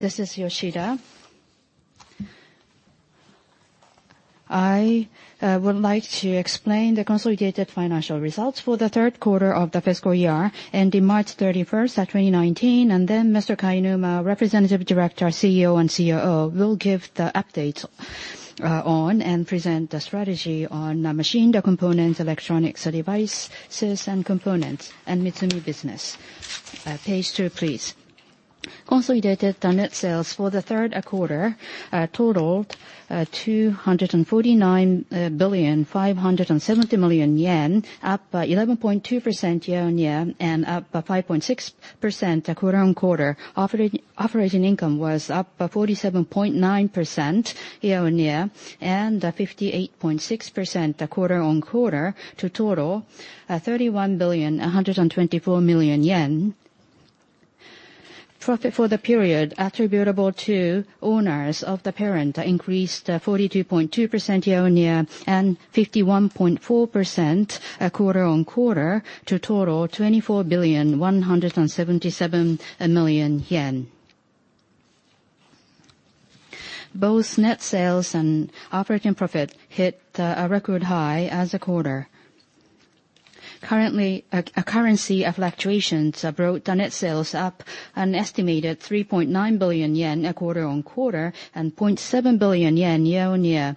This is Yoshida. I would like to explain the Consolidated Financial Results for the Third Quarter of the Fiscal Year Ending March 31st, 2019, and then Mr. Kainuma, Representative Director, CEO, and COO, will give the update on and present the strategy on machine components, electronic devices and components, and Mitsumi business. Page two, please. Consolidated net sales for the third quarter totaled 249,570,000,000 yen up 11.2% year-on-year and up 5.6% quarter-on-quarter. Operating income was up 47.9% year-on-year and 58.6% quarter-on-quarter to total 31,124,000,000 yen. Profit for the period attributable to owners of the parent increased 42.2% year-on-year and 51.4% quarter-on-quarter to total 24,177,000,000 yen. Both net sales and operating profit hit a record high as a quarter. Currently, currency fluctuations brought the net sales up an estimated 3.9 billion yen quarter-on-quarter and 0.7 billion yen year-on-year.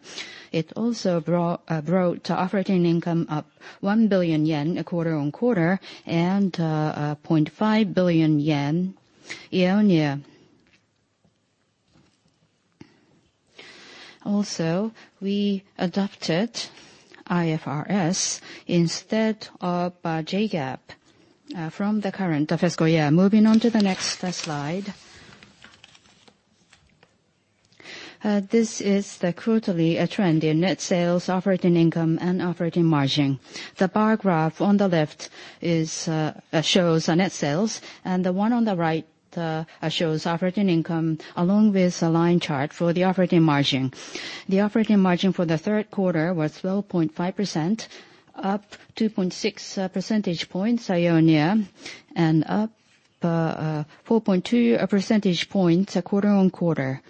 It also brought operating income up 1 billion yen quarter-on-quarter and JPY 0.5 billion year-on-year. Also, we adopted IFRS instead of JGAAP from the current fiscal year. Moving on to the next slide. This is the quarterly trend in net sales, operating income, and operating margin. The bar graph on the left shows net sales, and the one on the right shows operating income, along with a line chart for the operating margin. The operating margin for the third quarter was 12.5%, up 2.6 percentage points year-on-year and up 4.2 percentage points quarter-on-quarter.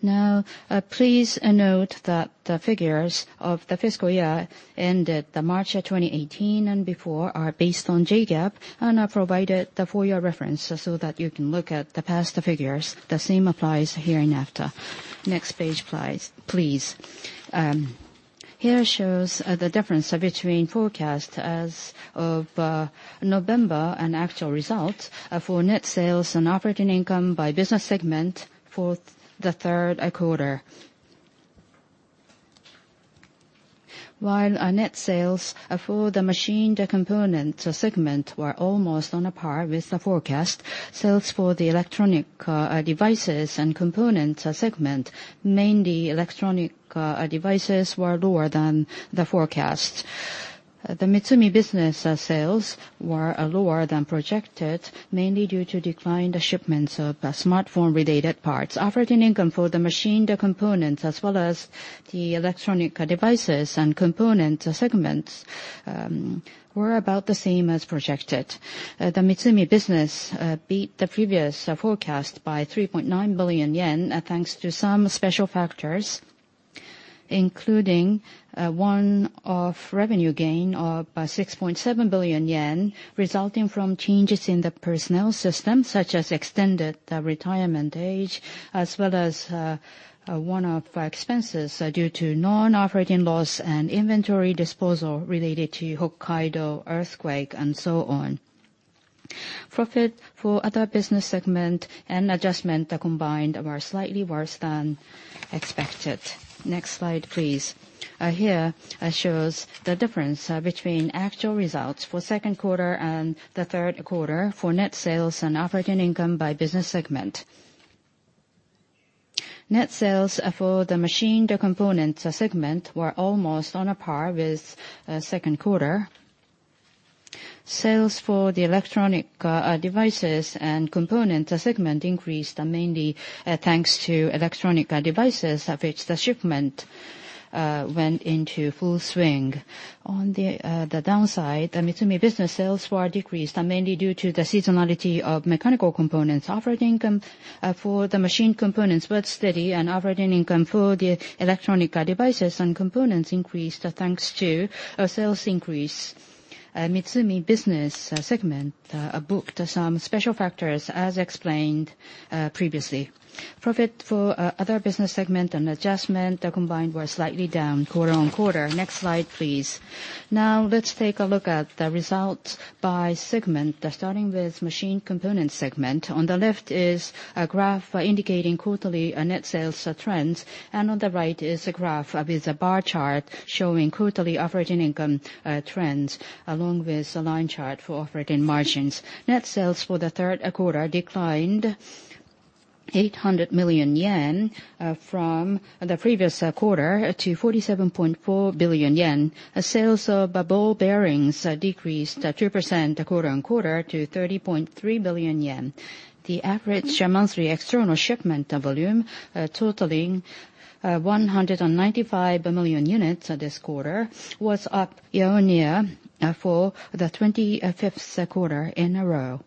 Now, please note that the figures of the fiscal year ended March 2018 and before are based on JGAAP and are provided for your reference so that you can look at the past figures. The same applies hereinafter. Next page, please. Here shows the difference between forecast as of November and actual result for net sales and operating income by business segment for the third quarter. While net sales for the machine components segment were almost on par with the forecast, sales for the electronic devices and components segment, mainly electronic devices, were lower than the forecast. The Mitsumi business sales were lower than projected, mainly due to declined shipments of smartphone-related parts. Operating income for the machine components as well as the electronic devices and components segments were about the same as projected. The Mitsumi business beat the previous forecast by 3.9 billion yen, thanks to some special factors, including one-off revenue gain of 6.7 billion yen resulting from changes in the personnel system, such as extended retirement age, as well as one-off expenses due to non-operating loss and inventory disposal related to Hokkaido earthquake and so on. Profit for other business segment and adjustment combined were slightly worse than expected. Next slide, please. Here shows the difference between actual results for second quarter and the third quarter for net sales and operating income by business segment. Net sales for the machine components segment were almost on par with second quarter. Sales for the electronic devices and components segment increased mainly thanks to electronic devices, of which the shipment went into full swing. On the downside, the Mitsumi business sales were decreased mainly due to the seasonality of mechanical components. Operating income for the machine components was steady, and operating income for the electronic devices and components increased thanks to a sales increase. Mitsumi business segment booked some special factors as explained previously. Profit for other business segment and adjustment combined were slightly down quarter-on-quarter. Next slide, please. Let's take a look at the results by segment, starting with Machined Components segment. On the left is a graph indicating quarterly net sales trends, on the right is a graph with a bar chart showing quarterly operating income trends, along with a line chart for operating margins. Net sales for the third quarter declined 800 million yen from the previous quarter to 47.4 billion yen. Sales of ball bearings decreased 2% quarter-on-quarter to 30.3 billion yen. The average monthly external shipment volume totaling 195 million units this quarter was up year-on-year for the 25th quarter in a row.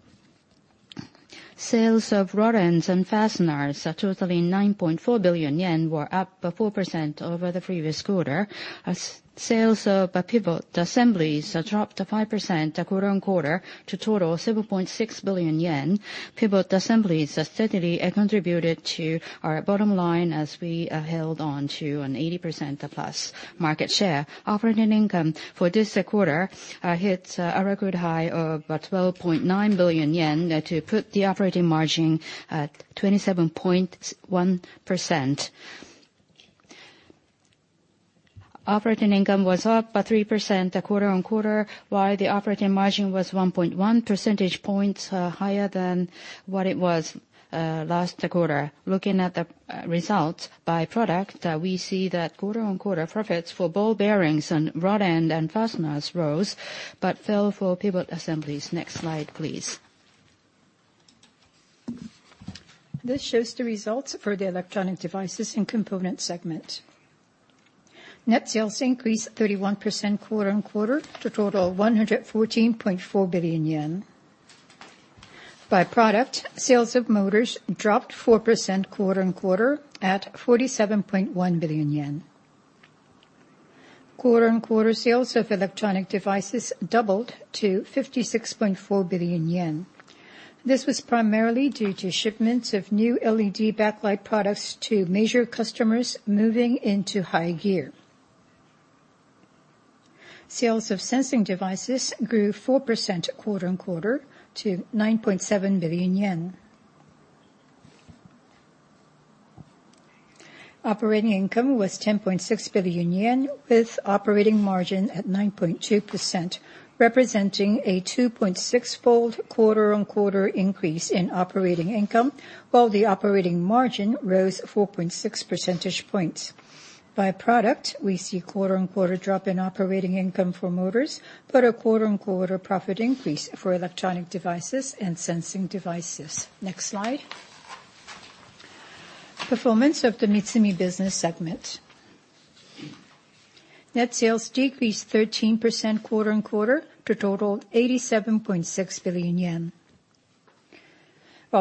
Sales of rod ends and fasteners totaling 9.4 billion yen, were up 4% over the previous quarter. Sales of pivot assemblies dropped 5% quarter-on-quarter to total 7.6 billion yen. Pivot assemblies steadily contributed to our bottom line as we held on to an 80%+ market share. Operating income for this quarter hits a record high of 12.9 billion yen to put the operating margin at 27.1%. Operating income was up by 3% quarter-on-quarter, while the operating margin was 1.1 percentage points higher than what it was last quarter. Looking at the results by product, we see that quarter-on-quarter profits for ball bearings and rod ends and fasteners rose, but fell for pivot assemblies. Next slide, please. This shows the results for the Electronic Devices and Components segment. Net sales increased 31% quarter-on-quarter to total 114.4 billion yen. By product, sales of motors dropped 4% quarter-on-quarter at JPY 47.1 billion. Quarter-on-quarter sales of electronic devices doubled to 56.4 billion yen. This was primarily due to shipments of new LED backlight products to major customers moving into high gear. Sales of sensing devices grew 4% quarter-on-quarter to JPY 9.7 billion. Operating income was 10.6 billion yen, with operating margin at 9.2%, representing a 2.6x quarter-on-quarter increase in operating income, while the operating margin rose 4.6 percentage points. By product, we see quarter-on-quarter drop in operating income for motors, but a quarter-on-quarter profit increase for electronic devices and sensing devices. Next slide. Performance of the MITSUMI business segment. Net sales decreased 13% quarter-on-quarter to total 87.6 billion yen.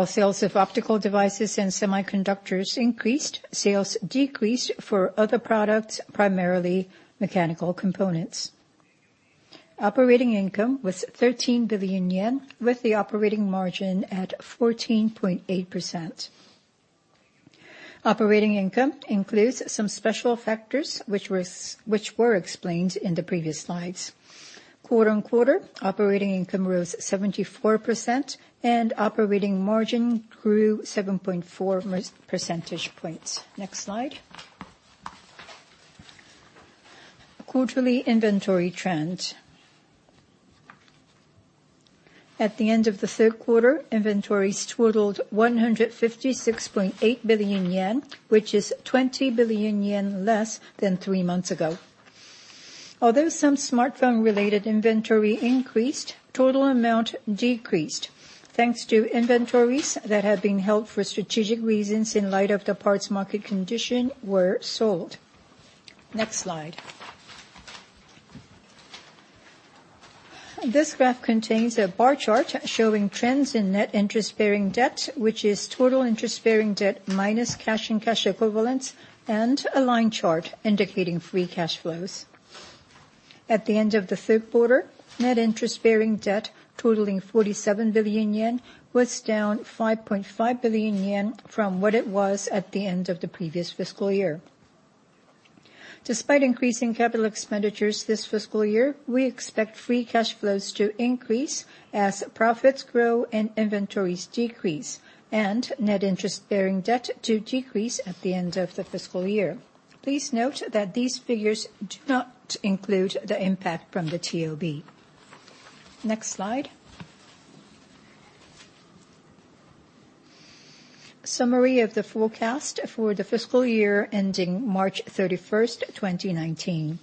Sales of optical devices and semiconductors increased, sales decreased for other products, primarily mechanical components. Operating income was 13 billion yen, with the operating margin at 14.8%. Operating income includes some special factors which were explained in the previous slides. Quarter-on-quarter, operating income rose 74% and operating margin grew 7.4 percentage points. Next slide. Quarterly inventory trends. At the end of the third quarter, inventories totaled 156.8 billion yen, which is 20 billion yen less than three months ago. Some smartphone-related inventory increased, total amount decreased, thanks to inventories that had been held for strategic reasons in light of the parts market condition were sold. Next slide. This graph contains a bar chart showing trends in net interest-bearing debt, which is total interest-bearing debt, minus cash and cash equivalents, a line chart indicating free cash flows. At the end of the third quarter, net interest-bearing debt totaling 47 billion yen, was down 5.5 billion yen from what it was at the end of the previous fiscal year. Despite increasing capital expenditures this fiscal year, we expect free cash flows to increase as profits grow and inventories decrease, net interest-bearing debt to decrease at the end of the fiscal year. Please note that these figures do not include the impact from the TOB. Next slide. Summary of the forecast for the fiscal year ending March 31st, 2019.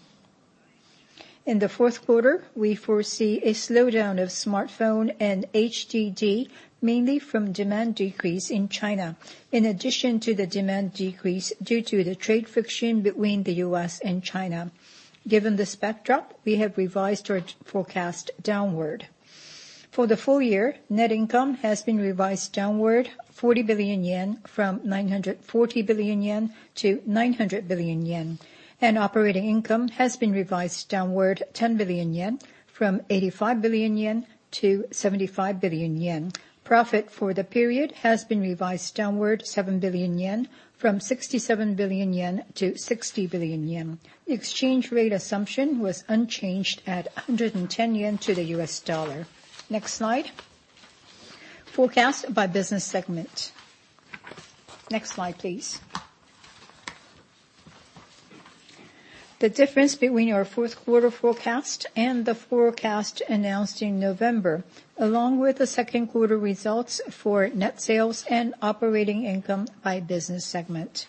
In the fourth quarter, we foresee a slowdown of smartphone and HDD, mainly from demand decrease in China, in addition to the demand decrease due to the trade friction between the U.S. and China. Given this backdrop, we have revised our forecast downward. For the full year, net income has been revised downward 40 billion yen from 940 billion yen to 900 billion yen, and operating income has been revised downward 10 billion yen from 85 billion yen to 75 billion yen. Profit for the period has been revised downward 7 billion yen from 67 billion yen to 60 billion yen. Exchange rate assumption was unchanged at 110 yen to the U.S. dollar. Next slide. Forecast by business segment. Next slide, please. The difference between our fourth quarter forecast and the forecast announced in November, along with the second quarter results for net sales and operating income by business segment.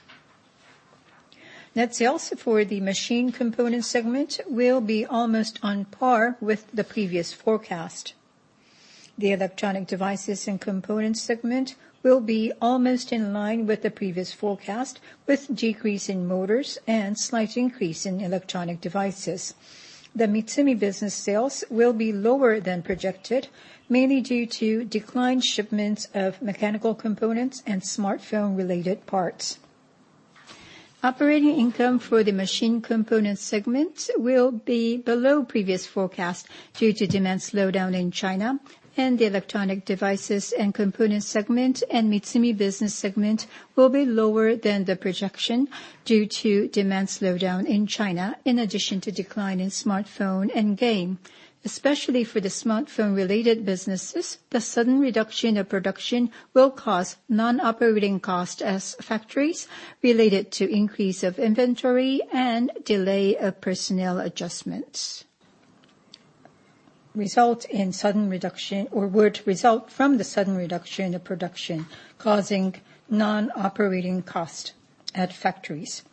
Net sales for the machine component segment will be almost on par with the previous forecast. The electronic devices and components segment will be almost in line with the previous forecast, with decrease in motors and slight increase in electronic devices. The MITSUMI business sales will be lower than projected, mainly due to declined shipments of mechanical components and smartphone-related parts. Operating income for the machine components segment will be below previous forecast due to demand slowdown in China, and the electronic devices and components segment, and MITSUMI business segment will be lower than the projection due to demand slowdown in China, in addition to decline in smartphone and game. Especially for the smartphone-related businesses, the sudden reduction of production will cause non-operating cost as factories related to increase of inventory and delay of personnel adjustments. It would result from the sudden reduction of production, causing non-operating cost at factories.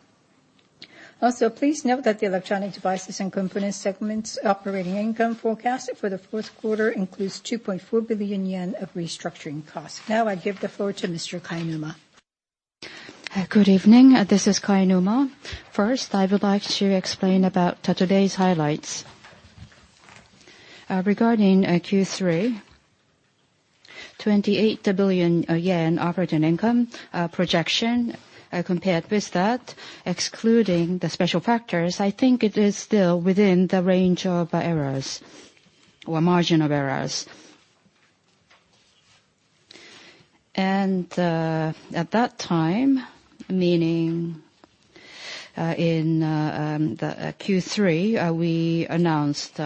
Also, please note that the electronic devices and components segment's operating income forecast for the fourth quarter includes 2.4 billion yen of restructuring costs. Now I give the floor to Mr. Kainuma. Good evening. This is Kainuma. First, I would like to explain about today's highlights. Regarding Q3, 28 billion yen operating income projection compared with that, excluding the special factors, I think it is still within the range of errors or margin of errors. At that time, meaning in the Q3, we announced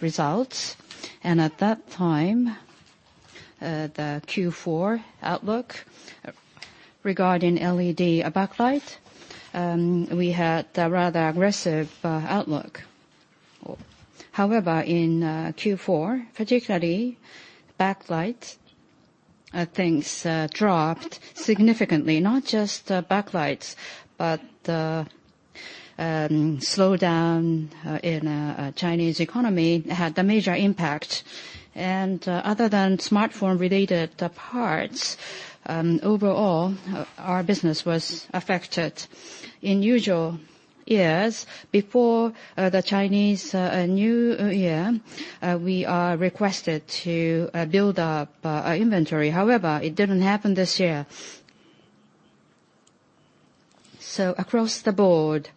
results. At that time, the Q4 outlook regarding LED backlight, we had a rather aggressive outlook. However, in Q4, particularly backlights, things dropped significantly. Not just backlights, but the slowdown in Chinese economy had a major impact. Other than smartphone-related parts, overall, our business was affected. In usual years, before the Chinese New Year, we are requested to build up our inventory. However, it didn't happen this year. Across the board,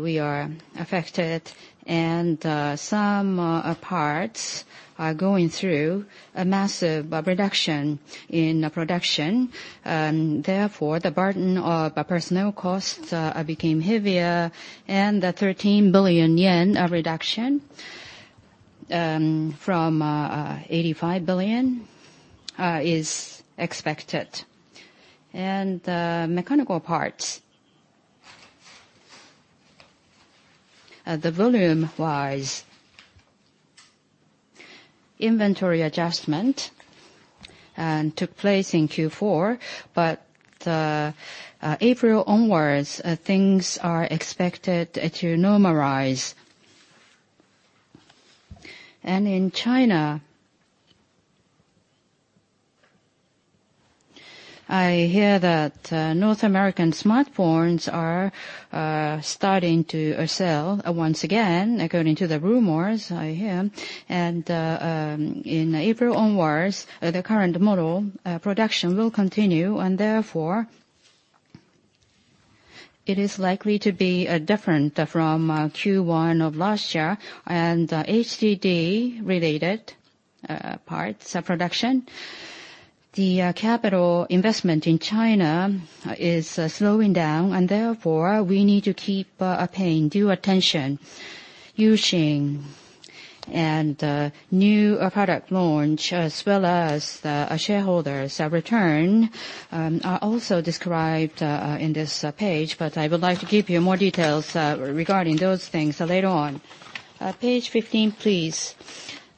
we are affected and some parts are going through a massive reduction in production. Therefore, the burden of personnel costs became heavier, and the 13 billion yen of reduction from 85 billion is expected. The mechanical parts. The volume-wise inventory adjustment took place in Q4, but April onwards, things are expected to normalize. In China, I hear that North American smartphones are starting to sell once again, according to the rumors I hear. In April onwards, the current model production will continue, and therefore, it is likely to be different from Q1 of last year and HDD-related parts production. The capital investment in China is slowing down, and therefore, we need to keep paying due attention. U-Shin and new product launch, as well as the shareholders return, are also described in this page, but I would like to give you more details regarding those things later on. Page 15, please.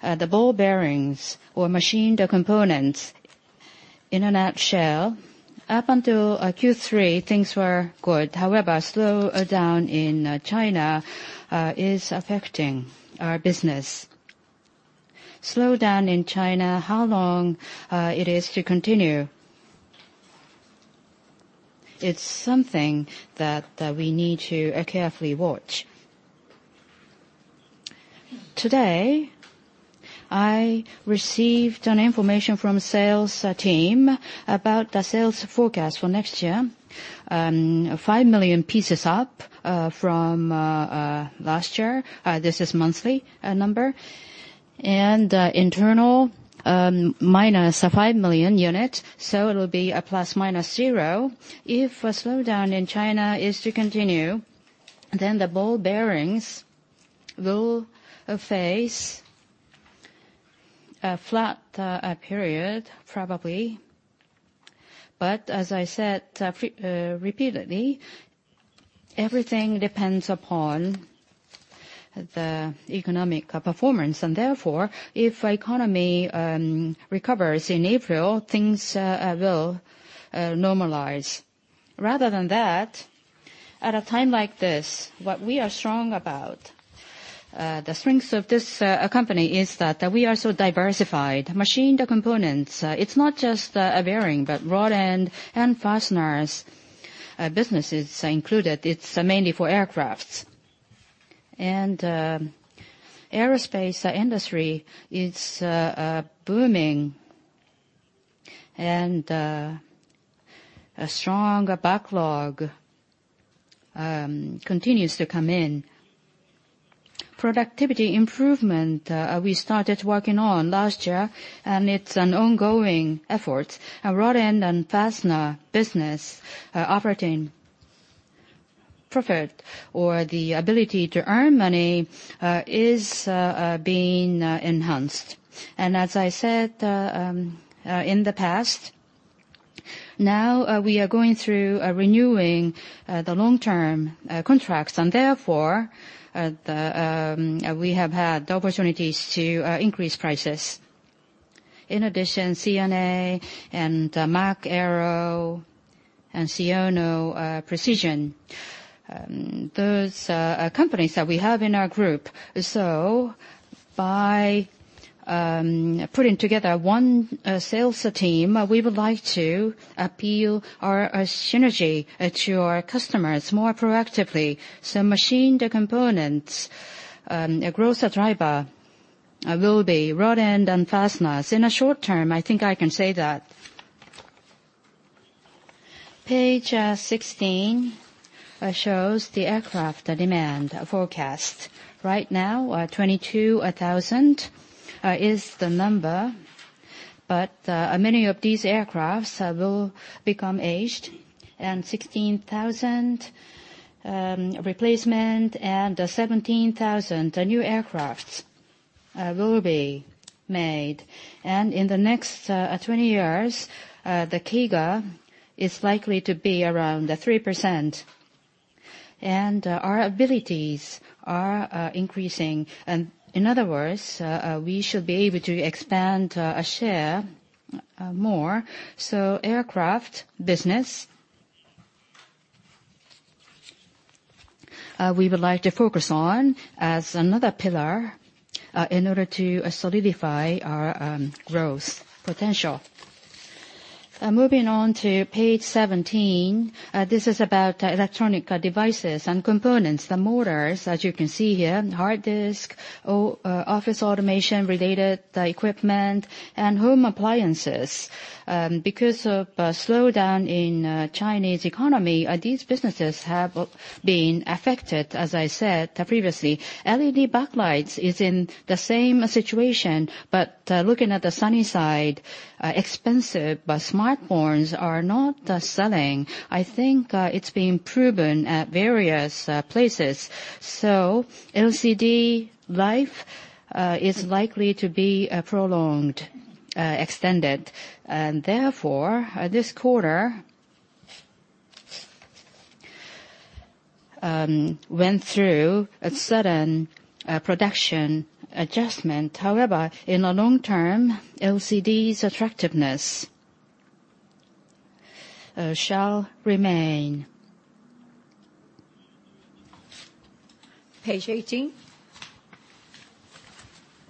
The ball bearings or machined components in a nutshell, up until Q3, things were good. Slowdown in China is affecting our business. Slowdown in China, how long it is to continue, it is something that we need to carefully watch. Today, I received information from sales team about the sales forecast for next year, 5 million pieces up from last year. This is monthly number. Internal, minus 5 million units, so it will be a ±0. If a slowdown in China is to continue, then the ball bearings will face a flat period probably. As I said repeatedly, everything depends upon the economic performance, and therefore, if economy recovers in April, things will normalize. Rather than that, at a time like this, what we are strong about, the strengths of this company is that we are so diversified. Machined components, it is not just a bearing, but rod ends and fasteners business is included. It is mainly for aircrafts. Aerospace industry, it is booming, and a strong backlog continues to come in. Productivity improvement, we started working on last year, and it is an ongoing effort. Our rod ends and fasteners business operating profit, or the ability to earn money, is being enhanced. As I said, in the past, now we are going through renewing the long-term contracts, and therefore, we have had the opportunities to increase prices. In addition, C&A and Mach Aero and Shino Precision, those are companies that we have in our group. By putting together one sales team, we would like to appeal our synergy to our customers more proactively. Machined components, a growth driver will be rod ends and fasteners. In the short term, I think I can say that. Page 16 shows the aircraft demand forecast. Right now, 22,000 is the number. Many of these aircrafts will become aged, and 16,000 replacement and 17,000 new aircrafts will be made. In the next 20 years, the CAGR is likely to be around 3%. Our abilities are increasing. In other words, we should be able to expand our share more. Aircraft business, we would like to focus on as another pillar in order to solidify our growth potential. Moving on to page 17, this is about electronic devices and components. The motors, as you can see here, hard disk, office automation related equipment, and home appliances. Because of a slowdown in Chinese economy, these businesses have been affected, as I said previously. LED backlights is in the same situation, but looking at the sunny side, expensive but smartphones are not selling. I think it's been proven at various places. LCD life is likely to be prolonged, extended, and therefore, this quarter went through a sudden production adjustment. However, in the long term, LCD's attractiveness shall remain. Page 18.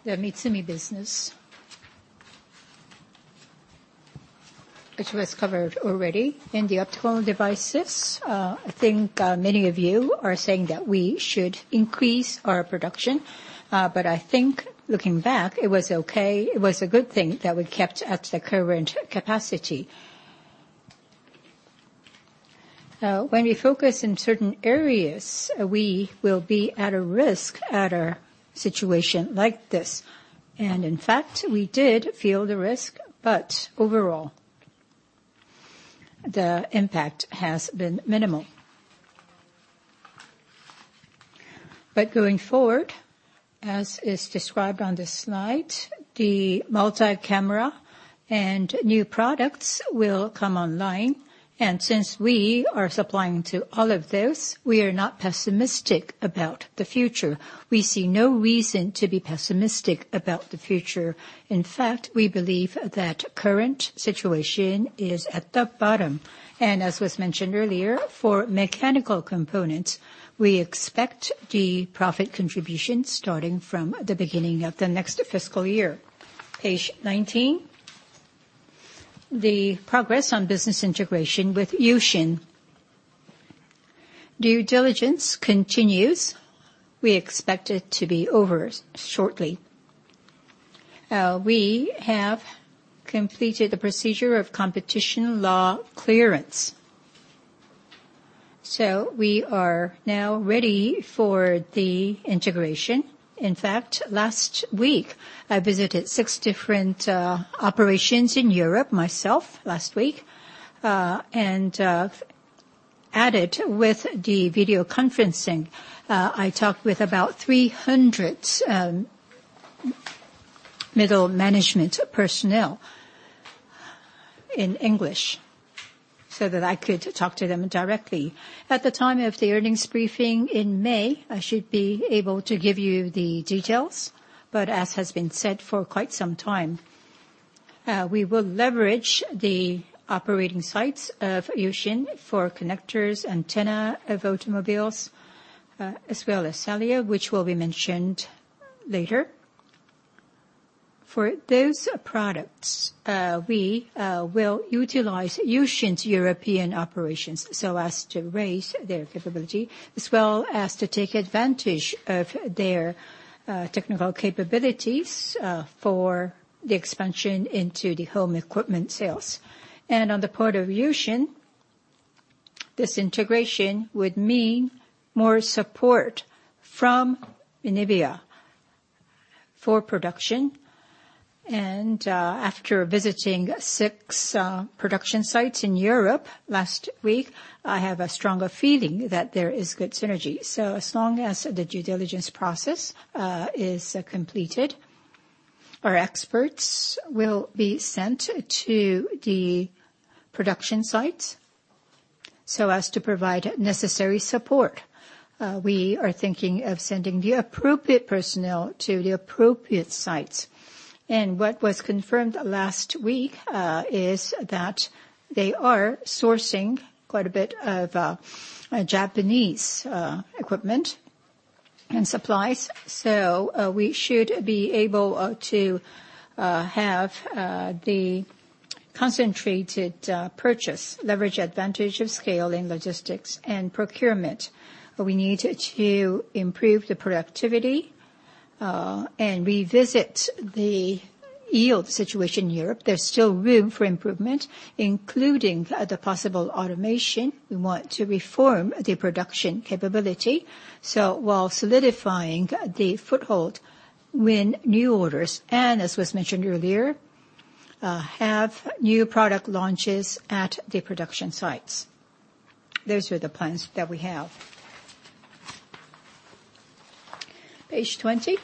The MITSUMI business, which was covered already. In the optical devices, I think many of you are saying that we should increase our production. I think looking back, it was okay. It was a good thing that we kept at the current capacity. When we focus in certain areas, we will be at a risk at a situation like this. In fact, we did feel the risk, but overall, the impact has been minimal. Going forward, as is described on this slide, the multi-camera and new products will come online. Since we are supplying to all of those, we are not pessimistic about the future. We see no reason to be pessimistic about the future. In fact, we believe that current situation is at the bottom. As was mentioned earlier, for mechanical components, we expect the profit contribution starting from the beginning of the next fiscal year. Page 19, the progress on business integration with U-Shin. Due diligence continues. We expect it to be over shortly. We have completed the procedure of competition law clearance. We are now ready for the integration. In fact, last week, I visited six different operations in Europe myself, last week. Added with the video conferencing, I talked with about 300 middle management personnel in English so that I could talk to them directly. At the time of the earnings briefing in May, I should be able to give you the details, as has been said for quite some time, we will leverage the operating sites of U-Shin for connectors, antenna of automobiles, as well as SALIOT, which will be mentioned later. For those products, we will utilize U-Shin's European operations so as to raise their capability, as well as to take advantage of their technical capabilities for the expansion into the home equipment sales. On the part of U-Shin, this integration would mean more support from Minebea for production. After visiting six production sites in Europe last week, I have a stronger feeling that there is good synergy. As long as the due diligence process is completed, our experts will be sent to the production sites, so as to provide necessary support. We are thinking of sending the appropriate personnel to the appropriate sites. What was confirmed last week is that they are sourcing quite a bit of Japanese equipment and supplies. We should be able to have the concentrated purchase, leverage advantage of scale in logistics and procurement. We need to improve the productivity, and revisit the yield situation in Europe. There is still room for improvement, including the possible automation. We want to reform the production capability. While solidifying the foothold, win new orders, and as was mentioned earlier, have new product launches at the production sites. Those are the plans that we have. Page 20.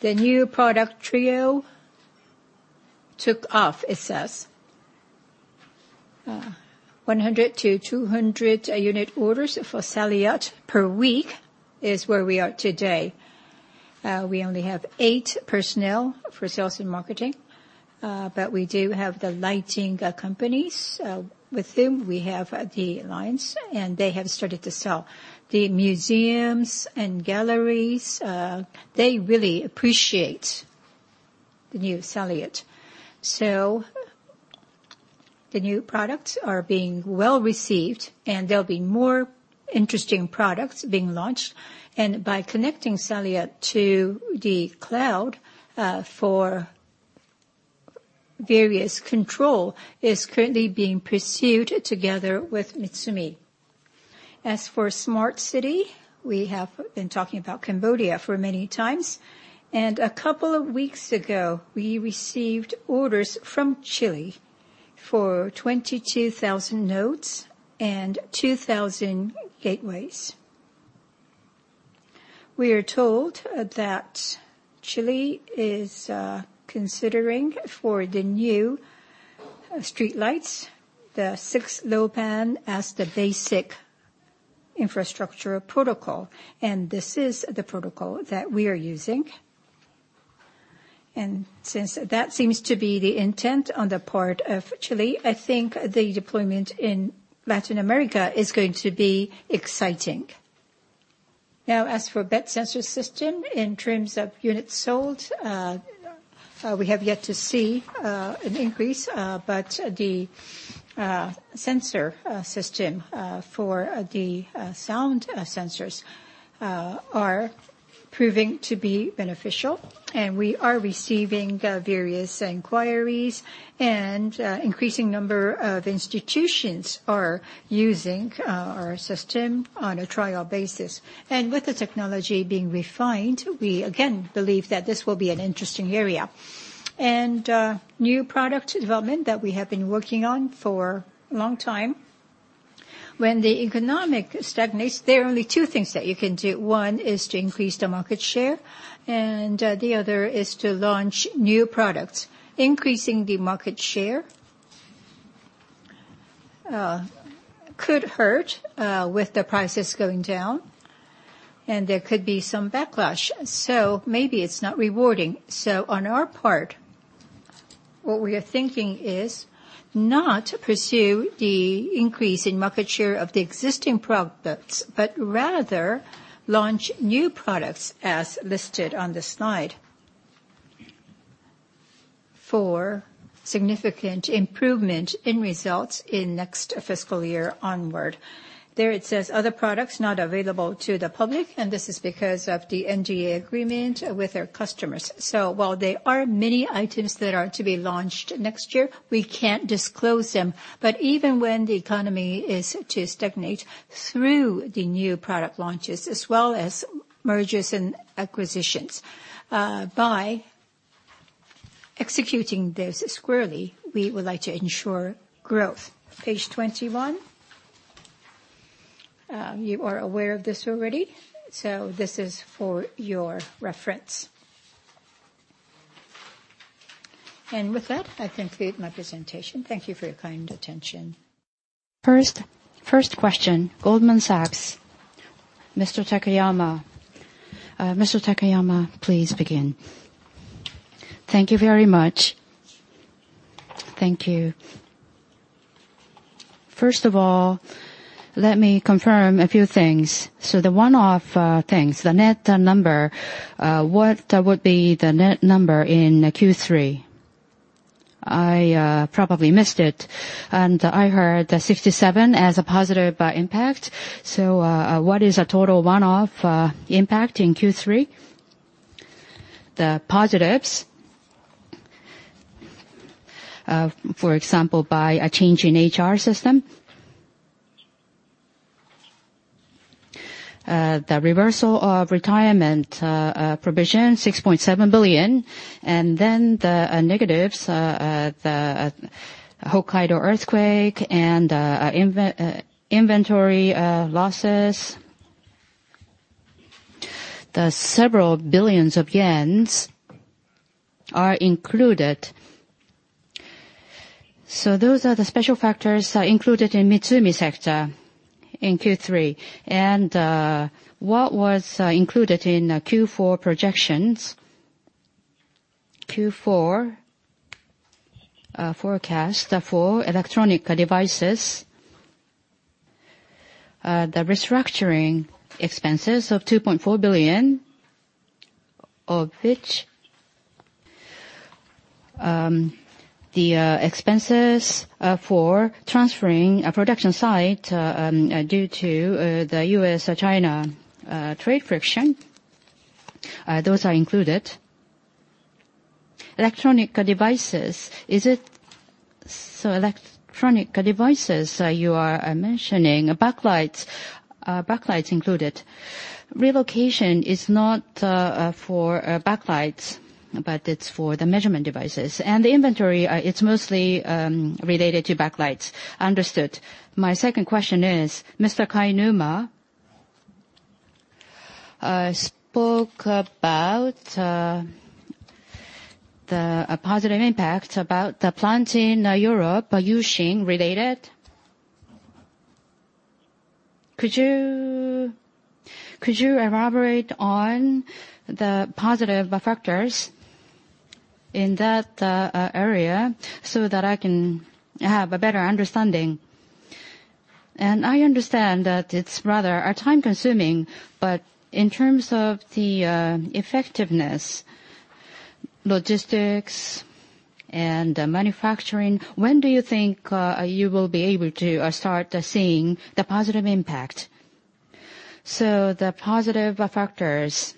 The new product trio took off, it says. 100-200 unit orders for SALIOT per week is where we are today. We only have eight personnel for sales and marketing, but we do have the lighting companies with whom we have the alliance, and they have started to sell. The museums and galleries, they really appreciate the new SALIOT. The new products are being well-received, and there will be more interesting products being launched. By connecting SALIOT to the cloud for various control is currently being pursued together with MITSUMI. As for Smart City, we have been talking about Cambodia for many times. A couple of weeks ago, we received orders from Chile for 22,000 nodes and 2,000 gateways. We are told that Chile is considering, for the new streetlights, the 6LoWPAN as the basic infrastructure protocol. This is the protocol that we are using. Since that seems to be the intent on the part of Chile, I think the deployment in Latin America is going to be exciting. Now, as for Bed Sensor System, in terms of units sold, we have yet to see an increase. The sensor system, for the sound sensors, are proving to be beneficial, and we are receiving various inquiries, and increasing number of institutions are using our system on a trial basis. With the technology being refined, we again believe that this will be an interesting area. New product development that we have been working on for a long time. When the economy stagnates, there are only two things that you can do. One is to increase the market share, and the other is to launch new products. Increasing the market share could hurt with the prices going down, and there could be some backlash. Maybe it is not rewarding. On our part, what we are thinking is not pursue the increase in market share of the existing products, but rather launch new products as listed on the slide for significant improvement in results in next fiscal year onward. There it says, other products not available to the public, and this is because of the NDA agreement with our customers. While there are many items that are to be launched next year, we cannot disclose them. Even when the economy is to stagnate, through the new product launches, as well as mergers and acquisitions, by executing this squarely, we would like to ensure growth. Page 21. You are aware of this already. This is for your reference. With that, I conclude my presentation. Thank you for your kind attention. First question, Goldman Sachs. Mr. Takayama. Mr. Takayama, please begin. Thank you very much. Thank you. First of all, let me confirm a few things. The one-off things, the net number, what would be the net number in Q3? I probably missed it, I heard 6.7 billion as a positive impact. What is the total one-off impact in Q3? The positives, for example, by a change in HR system, the reversal of retirement provision, 6.7 billion, then the negatives, the Hokkaido earthquake and inventory losses, the several billions of Yens are included. Those are the special factors included in MITSUMI sector in Q3. What was included in Q4 projections, Q4 forecast for electronic devices, the restructuring expenses of 2.4 billion, of which the expenses for transferring a production site due to the U.S. or China trade friction, those are included. Electronic devices, you are mentioning backlights are included. Relocation is not for backlights, but it's for the measurement devices. The inventory, it's mostly related to backlights. Understood. My second question is, Mr. Kainuma spoke about the positive impact about the plant in Europe, U-Shin related. Could you elaborate on the positive factors in that area so that I can have a better understanding? I understand that it's rather time-consuming, but in terms of the effectiveness, logistics, and manufacturing, when do you think you will be able to start seeing the positive impact? The positive factors,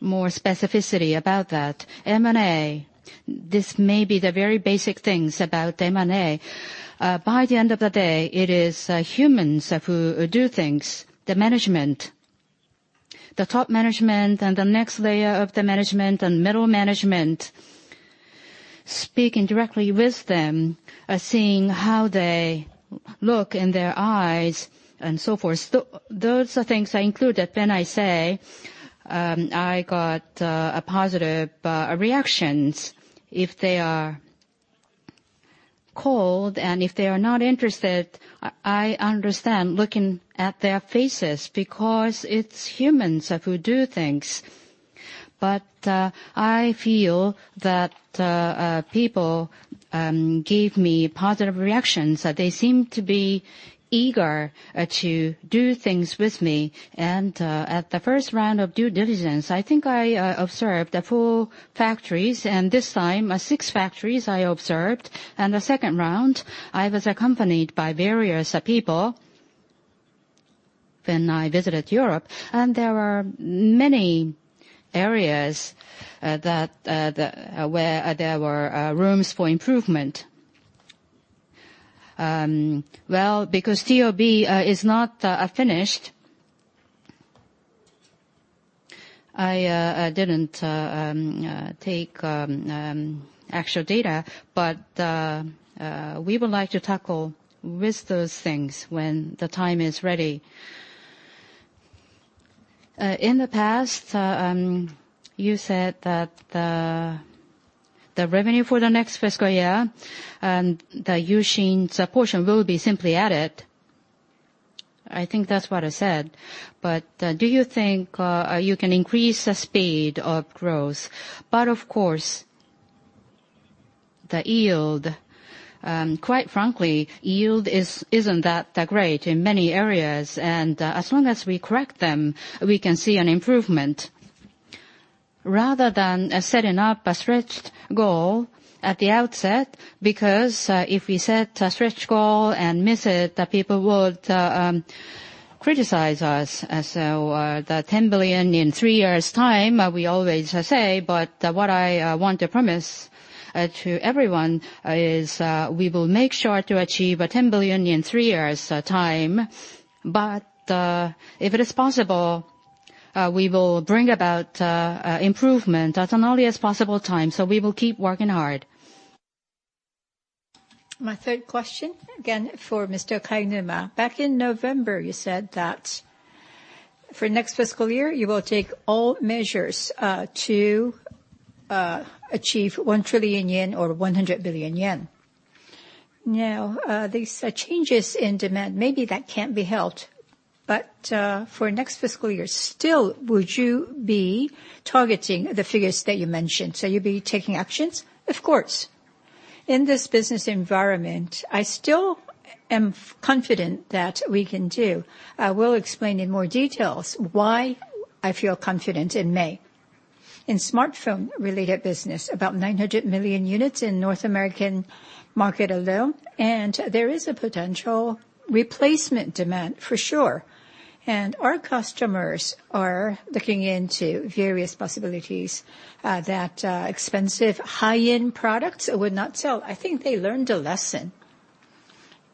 more specificity about that. M&A, this may be the very basic things about M&A. By the end of the day, it is humans who do things, the management. The top management, the next layer of the management, middle management, speaking directly with them, seeing how they look in their eyes and so forth. Those are things I include when I say I got positive reactions. If they are cold and if they are not interested, I understand looking at their faces because it's humans who do things. I feel that people gave me positive reactions, that they seem to be eager to do things with me. At the first round of due diligence, I think I observed the four factories, this time, six factories I observed. In the second round, I was accompanied by various people when I visited Europe, and there were many areas where there were rooms for improvement. Well, because TOB is not finished, I didn't take actual data, but we would like to tackle with those things when the time is ready. In the past, you said that the revenue for the next fiscal year and the U-Shin portion will be simply added. I think that's what I said. Do you think you can increase the speed of growth? Of course, the yield, quite frankly, yield isn't that great in many areas. As long as we correct them, we can see an improvement. Rather than setting up a stretched goal at the outset, because if we set a stretched goal and miss it, the people would criticize us. The 10 billion in three years time, we always say, but what I want to promise to everyone is we will make sure to achieve 10 billion in three years time. If it is possible, we will bring about improvement at an earliest possible time. We will keep working hard. My third question, again, for Mr. Kainuma. Back in November, you said that for next fiscal year, you will take all measures to achieve 1 trillion yen or 100 billion yen. These changes in demand, maybe that can't be helped. For next fiscal year, still would you be targeting the figures that you mentioned? You'll be taking actions? Of course. In this business environment, I still am confident that we can do. I will explain in more details why I feel confident in May. In smartphone-related business, about 900 million units in North American market alone, there is a potential replacement demand for sure. Our customers are looking into various possibilities that expensive high-end products would not sell. I think they learned a lesson.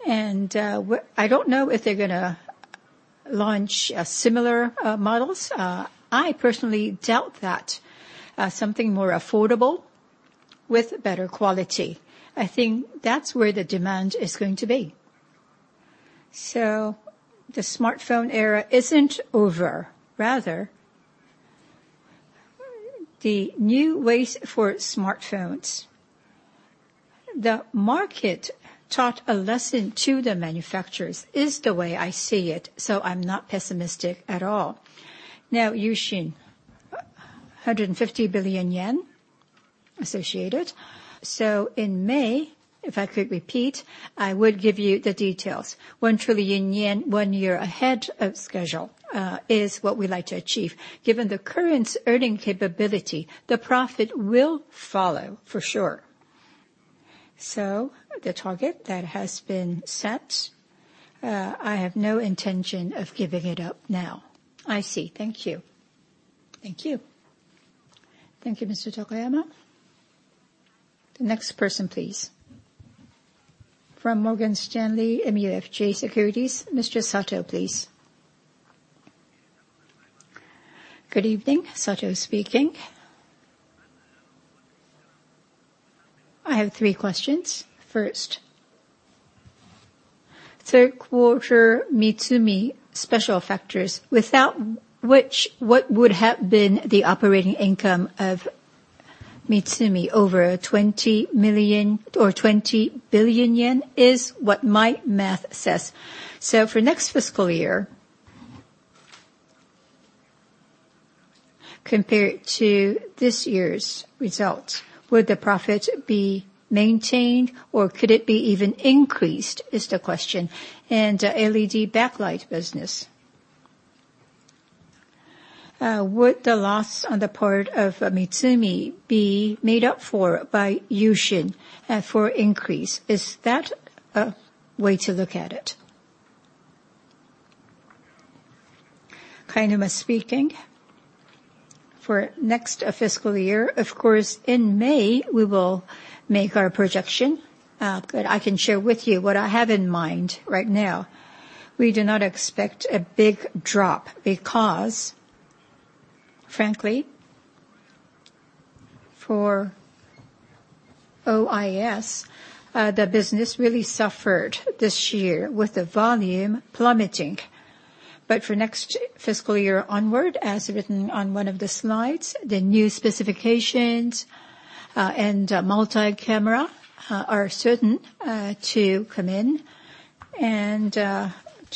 I don't know if they're going to launch similar models. I personally doubt that. Something more affordable with better quality, I think that's where the demand is going to be. The smartphone era isn't over, rather the new ways for smartphones. The market taught a lesson to the manufacturers, is the way I see it. I'm not pessimistic at all. U-Shin, JPY 150 billion associated. In May, if I could repeat, I would give you the details. 1 trillion yen one year ahead of schedule, is what we like to achieve. Given the current earning capability, the profit will follow for sure. The target that has been set, I have no intention of giving it up now. I see. Thank you. Thank you. Thank you, Mr. Takayama. The next person, please. From Morgan Stanley MUFG Securities, Mr. Sato, please. Good evening, Sato speaking. I have three questions. First, third quarter MITSUMI special factors, without which what would have been the operating income of MITSUMI over 20 billion yen, is what my math says. For next fiscal year, compared to this year's results, would the profit be maintained or could it be even increased, is the question. LED backlight business, would the loss on the part of MITSUMI be made up for by U-Shin for increase? Is that a way to look at it? Kainuma speaking. For next fiscal year, of course, in May, we will make our projection. Good. I can share with you what I have in mind right now. We do not expect a big drop because, frankly, for OIS, the business really suffered this year with the volume plummeting. For next fiscal year onward, as written on one of the slides, the new specifications and multi-camera are certain to come in.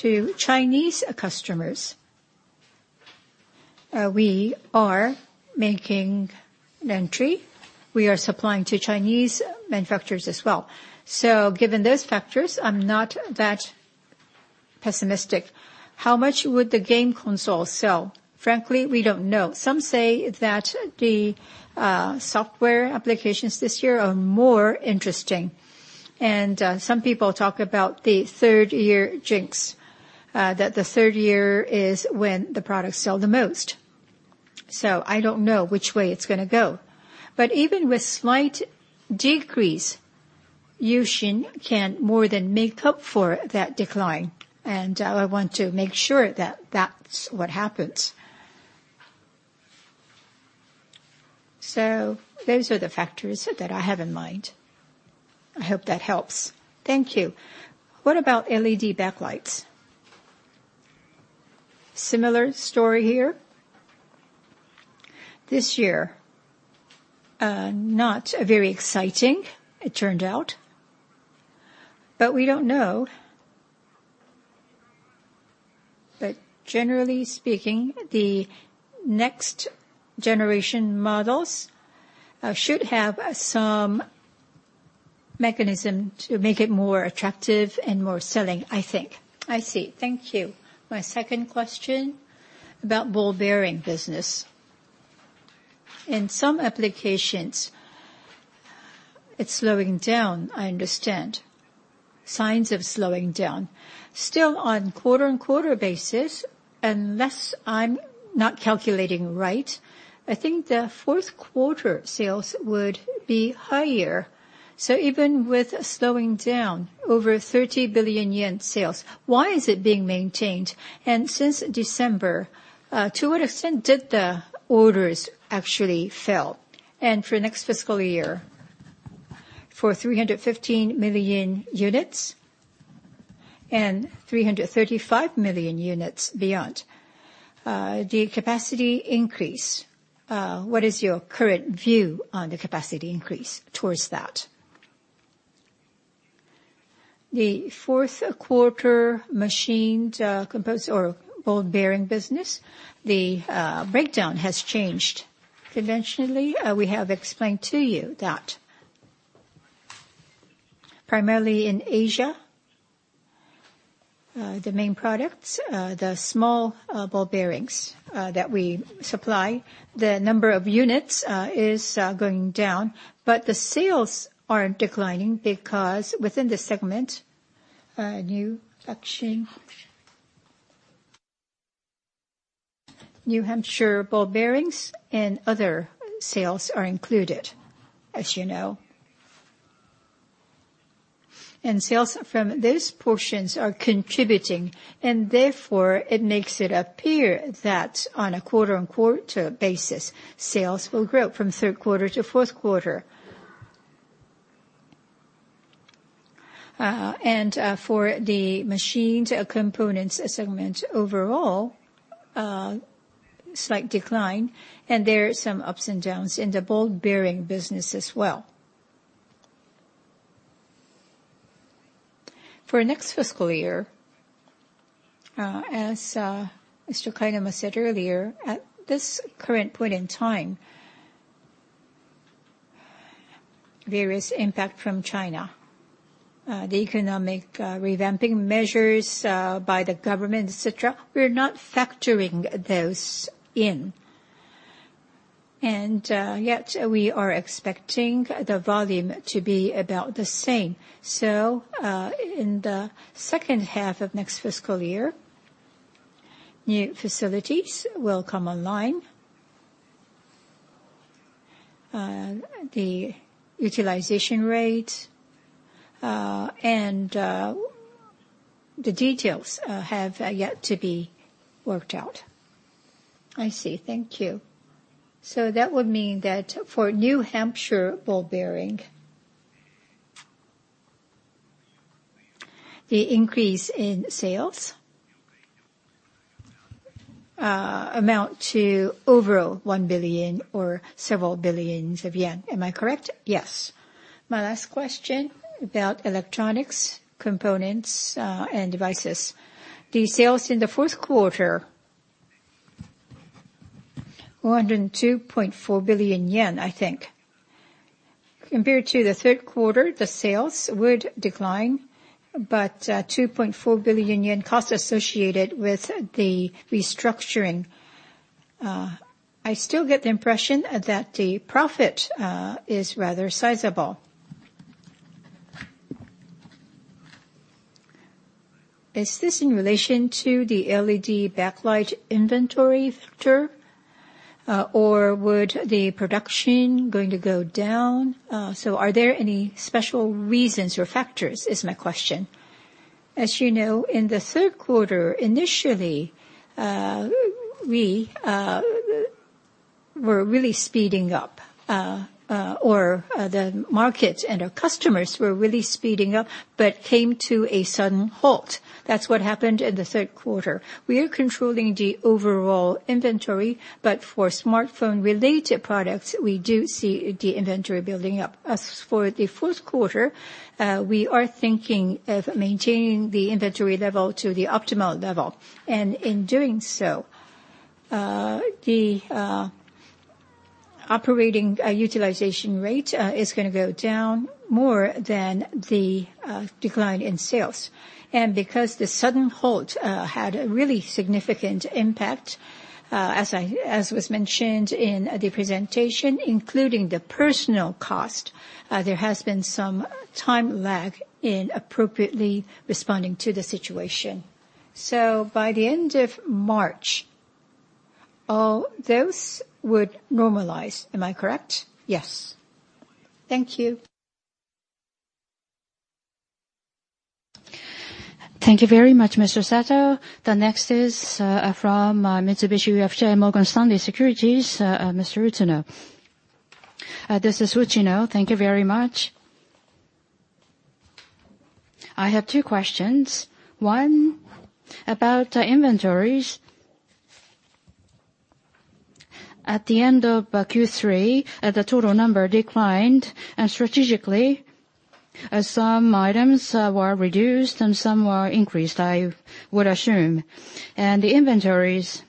To Chinese customers, we are making an entry. We are supplying to Chinese manufacturers as well. Given those factors, I'm not that pessimistic. How much would the game console sell? Frankly, we don't know. Some say that the software applications this year are more interesting. Some people talk about the third year JINX, that the third year is when the products sell the most. I don't know which way it's going to go. But even with slight decrease, U-Shin can more than make up for that decline, and I want to make sure that that's what happens. Those are the factors that I have in mind. I hope that helps. Thank you. What about LED backlights? Similar story here. This year, not very exciting, it turned out. But we don't know. But generally speaking, the next generation models should have some mechanism to make it more attractive and more selling, I think. I see. Thank you. My second question about ball bearings business. In some applications, it's slowing down, I understand. Signs of slowing down. On quarter-on-quarter basis, unless I'm not calculating right, I think the fourth quarter sales would be higher. Even with slowing down, over 30 billion yen sales, why is it being maintained? Since December, to what extent did the orders actually fell? For next fiscal year, for 315 million units and 335 million units beyond, the capacity increase, what is your current view on the capacity increase towards that? The fourth quarter machined components or ball bearings business, the breakdown has changed. Conventionally, we have explained to you that primarily in Asia, the main products, the small ball bearings that we supply, the number of units is going down, but the sales aren't declining because within the segment, New Hampshire Ball Bearings and other sales are included, as you know. Sales from those portions are contributing, and therefore, it makes it appear that on a quarter-on-quarter basis, sales will grow from third quarter to fourth quarter. For the machined components segment overall, slight decline, and there are some ups and downs in the ball bearings business as well. For next fiscal year, as Mr. Kainuma said earlier, at this current point in time, various impact from China, the economic revamping measures by the government, et cetera, we're not factoring those in. Yet we are expecting the volume to be about the same. So, in the second half of next fiscal year, new facilities will come online. The utilization rate and the details have yet to be worked out. I see. Thank you. So that would mean that for New Hampshire Ball Bearings, the increase in sales amount to overall 1 billion or several billions of Yen. Am I correct? Yes. My last question about electronics components and devices. The sales in the fourth quarter, 102.4 billion yen, I think. Compared to the third quarter, the sales would decline, but a 2.4 billion yen cost associated with the restructuring. I still get the impression that the profit is rather sizable. Is this in relation to the LED backlight inventory factor, or would the production going to go down? Are there any special reasons or factors, is my question. In the third quarter, initially, we were really speeding up, or the market and our customers were really speeding up, but came to a sudden halt. That's what happened in the third quarter. We are controlling the overall inventory, but for smartphone-related products, we do see the inventory building up. For the fourth quarter, we are thinking of maintaining the inventory level to the optimal level. In doing so, the operating utilization rate is going to go down more than the decline in sales. Because the sudden halt had a really significant impact, as was mentioned in the presentation, including the personal cost, there has been some time lag in appropriately responding to the situation. By the end of March, all those would normalize. Am I correct? Yes. Thank you. Thank you very much, Mr. Sato. The next is from Mitsubishi UFJ Morgan Stanley Securities, Mr. Uchino. This is Uchino. Thank you very much. I have two questions. One, about inventories. At the end of Q3, the total number declined, and strategically, some items were reduced and some were increased, I would assume. The inventories,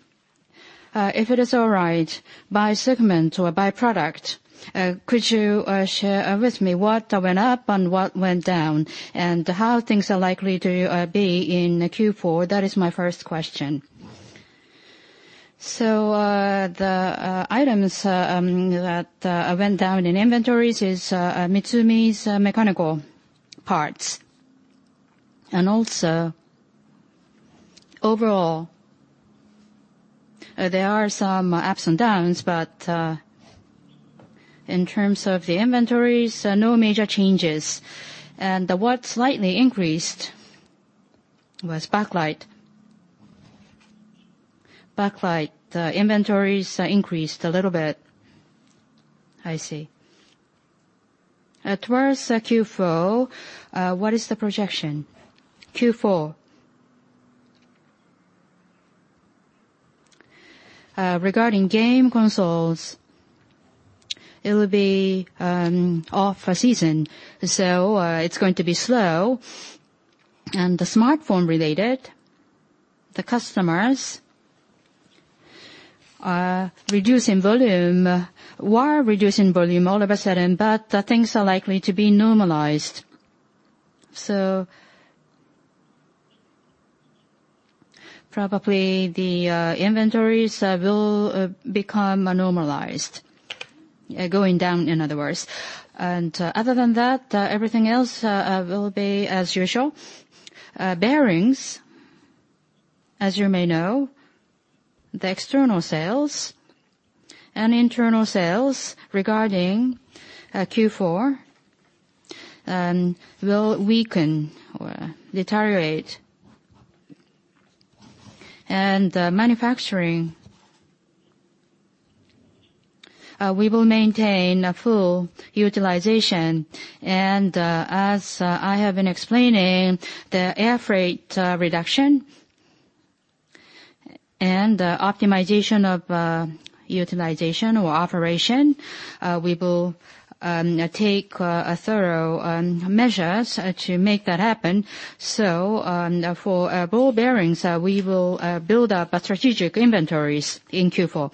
if it is all right, by segment or by product, could you share with me what went up and what went down, and how things are likely to be in Q4? That is my first question. The items that went down in inventories is Mitsumi's mechanical parts. Overall, there are some ups and downs. In terms of the inventories, no major changes. What slightly increased was backlight. Backlight inventories increased a little bit. I see. Towards Q4, what is the projection? Q4? Regarding game consoles, it will be off season, so it is going to be slow. The smartphone related, the customers are reducing volume. Why reducing volume all of a sudden? The things are likely to be normalized. Probably the inventories will become normalized. Going down, in other words. Other than that, everything else will be as usual. Bearings, as you may know, the external sales and internal sales regarding Q4, will weaken or deteriorate. Manufacturing, we will maintain a full utilization. As I have been explaining, the airfreight reduction and optimization of utilization or operation, we will take thorough measures to make that happen. For ball bearings, we will build up strategic inventories in Q4.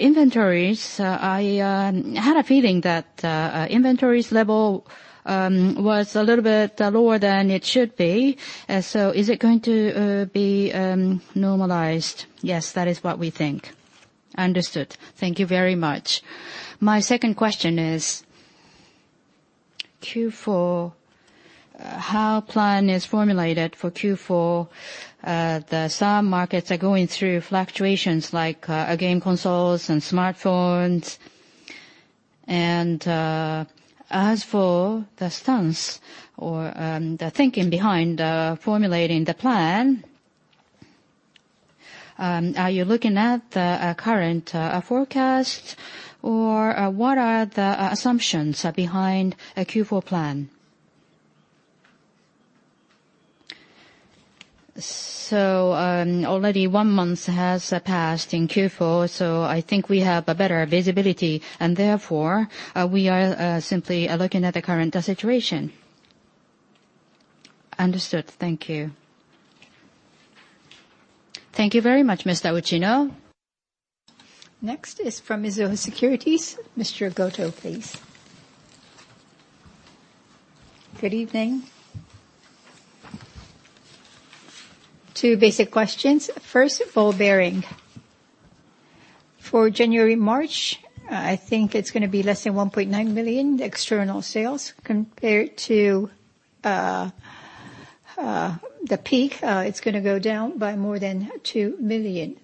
Inventories, I had a feeling that inventories level was a little bit lower than it should be. Is it going to be normalized? Yes, that is what we think. Understood. Thank you very much. My second question is, how plan is formulated for Q4? The some markets are going through fluctuations like game consoles and smartphones. As for the stance or the thinking behind formulating the plan, are you looking at the current forecast, or what are the assumptions behind a Q4 plan? Already one month has passed in Q4, I think we have a better visibility, and therefore, we are simply looking at the current situation. Understood. Thank you. Thank you very much, Ms. Uchino. Next is from Mizuho Securities. Mr. Goto, please. Good evening. Two basic questions. First, ball bearing. For January, March, I think it is going to be less than 1.9 million external sales. Compared to the peak, it is going to go down by more than 2 million.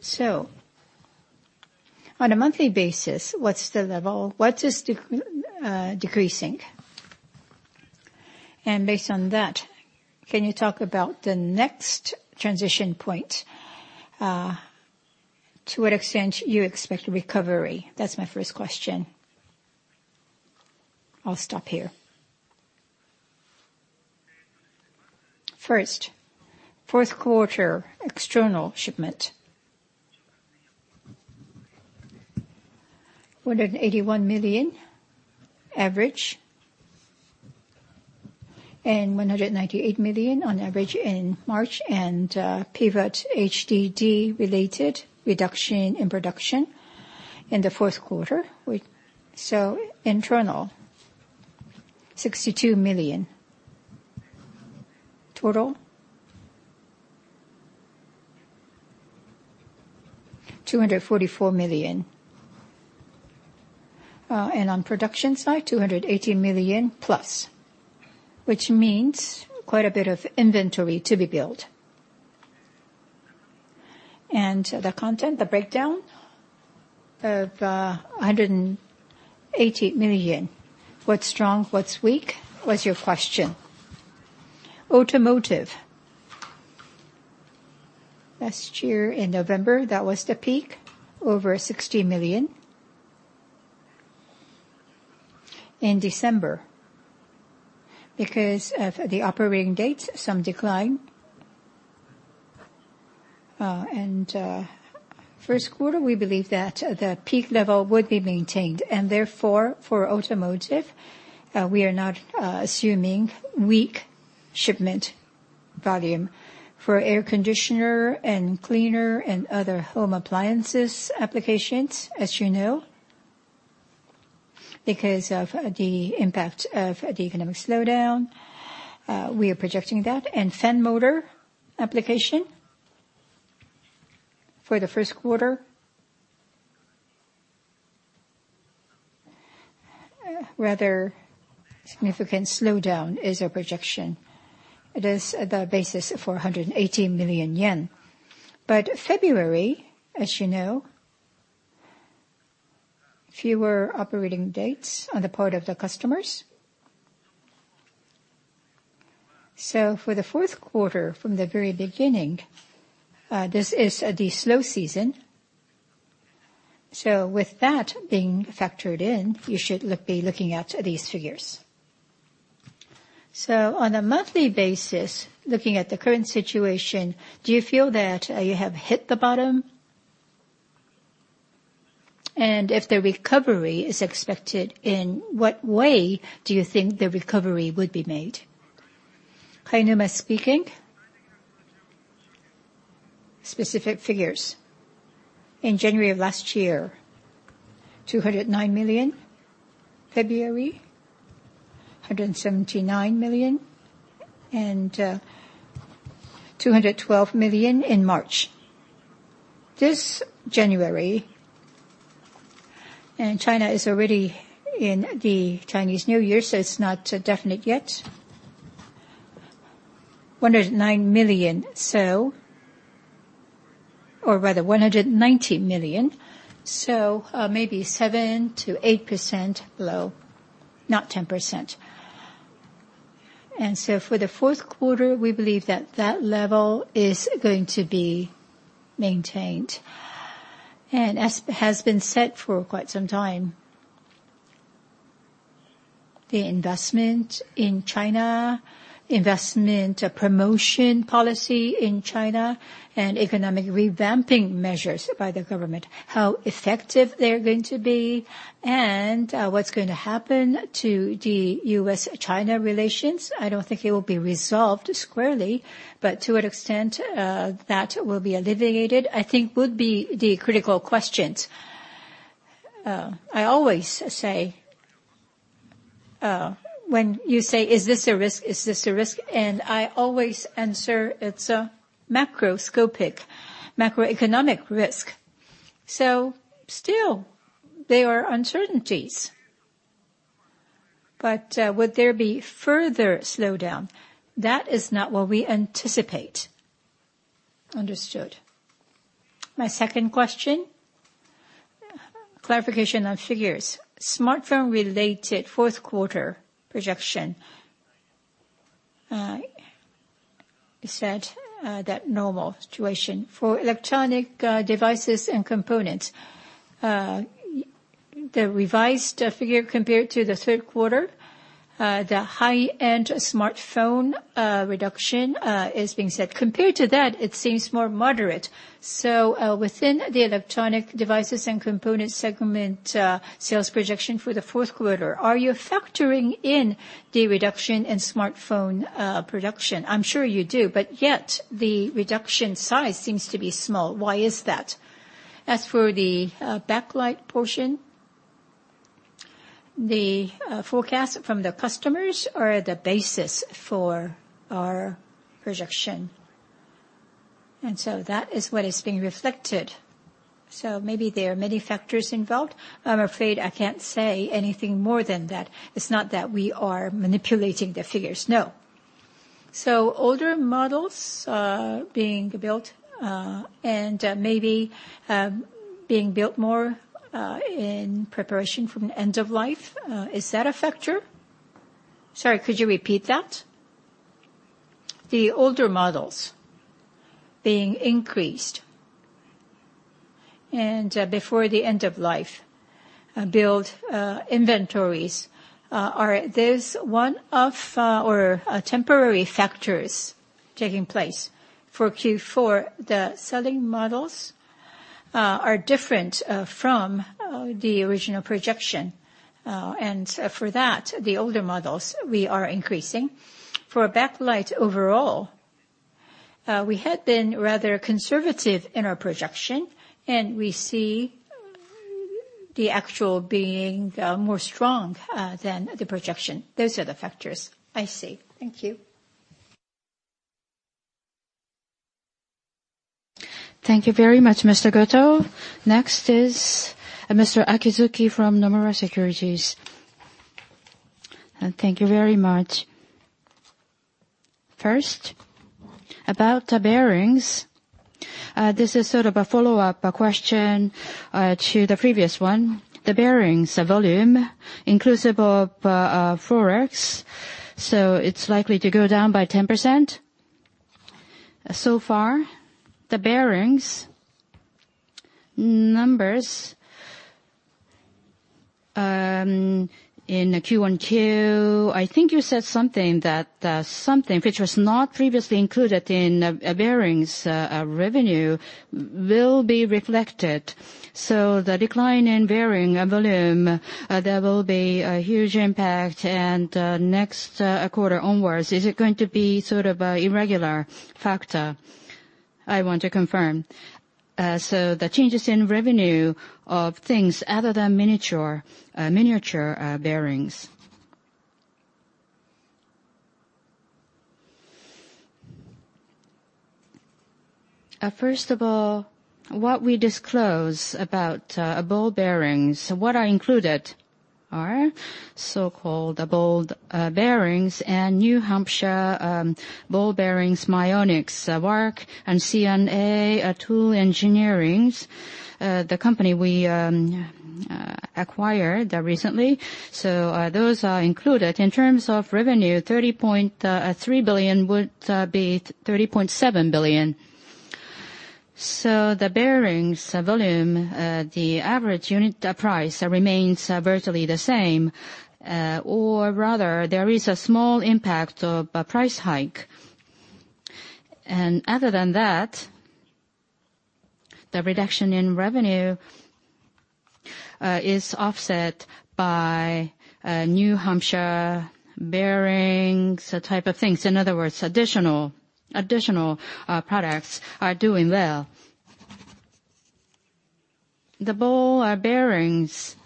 On a monthly basis, what is the level? What is decreasing? Based on that, can you talk about the next transition point? To what extent you expect recovery? That is my first question. I will stop here. First, fourth quarter external shipment, 181 million average and 198 million on average in March. Pivot HDD related reduction in production in the fourth quarter. Internal, 62 million. Total, 244 million. On production side, 218+ million, which means quite a bit of inventory to be built. The content, the breakdown of 180 million, what is strong, what is weak, was your question. Automotive. Last year in November, that was the peak, over 60 million. In December, because of the operating dates, some decline. First quarter, we believe that the peak level would be maintained, and therefore, for automotive, we are not assuming weak shipment volume. For air conditioner and cleaner and other home appliances applications, as you know, because of the impact of the economic slowdown, we are projecting that. Fan motor application for the first quarter, rather significant slowdown is our projection. It is the basis for 118 million yen. February, as you know, fewer operating dates on the part of the customers. For the fourth quarter, from the very beginning, this is the slow season. With that being factored in, you should be looking at these figures. On a monthly basis, looking at the current situation, do you feel that you have hit the bottom? If the recovery is expected, in what way do you think the recovery would be made? Kainuma speaking. Specific figures. In January of last year, 209 million. February, 179 million. 212 million in March. This January, China is already in the Chinese New Year, so it's not definite yet. 109 million, or rather 190 million. Maybe 7%-8% low, not 10%. For the fourth quarter, we believe that that level is going to be maintained. As has been set for quite some time, the investment in China, investment promotion policy in China, and economic revamping measures by the government, how effective they're going to be, and what's going to happen to the U.S.-China relations, I don't think it will be resolved squarely, but to what extent that will be alleviated, I think would be the critical questions. I always say, when you say, "Is this a risk? Is this a risk?" I always answer, "It's a macroscopic, macroeconomic risk." Still, there are uncertainties. Would there be further slowdown? That is not what we anticipate. Understood. My second question, clarification on figures. Smartphone-related fourth quarter projection. You said that normal situation. For electronic devices and components, the revised figure compared to the third quarter, the high-end smartphone reduction is being said. Compared to that, it seems more moderate. Within the electronic devices and components segment sales projection for the fourth quarter, are you factoring in the reduction in smartphone production? I'm sure you do, but yet the reduction size seems to be small. Why is that? As for the backlight portion, the forecast from the customers are the basis for our projection. That is what is being reflected. Maybe there are many factors involved. I'm afraid I can't say anything more than that. It's not that we are manipulating the figures, no. Older models being built, and maybe being built more in preparation for the end of life, is that a factor? Sorry, could you repeat that? The older models being increased, and before the end of life, build inventories. Are these one of, or temporary factors taking place? For Q4, the selling models are different from the original projection. For that, the older models we are increasing. For backlight overall, we had been rather conservative in our projection, we see the actual being more strong than the projection. Those are the factors. I see. Thank you. Thank you very much, Mr. Goto. Next is Mr. Akizuki from Nomura Securities. Thank you very much. First, about bearings. This is sort of a follow-up question to the previous one. The bearings volume, inclusive of Forex, it's likely to go down by 10%. Far, the bearings numbers in Q1, Q2, I think you said something that something which was not previously included in bearings revenue will be reflected. The decline in bearing volume, there will be a huge impact, next quarter onwards, is it going to be sort of an irregular factor? I want to confirm. The changes in revenue of things other than miniature bearings. First of all, what we disclose about ball bearings, what are included are so-called ball bearings and New Hampshire Ball Bearings, myonic, Arc, and C&A Tool Engineering, the company we acquired recently. Those are included. In terms of revenue, 30.3 billion would be 30.7 billion. The bearings volume, the average unit price remains virtually the same, or rather, there is a small impact of a price hike. Other than that, the reduction in revenue is offset by New Hampshire Ball Bearings type of things. In other words, additional products are doing well. The ball bearings